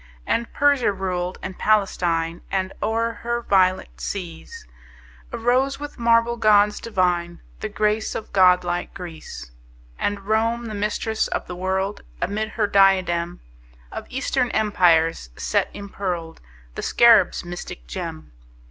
And Persia ruled and Palestine; And o'er her violet seas Arose, with marble gods divine, The grace of god like Greece. And Rome, the Mistress of the World, Amid her diadem Of Eastern Empires set impearled The Scarab's mystic gem.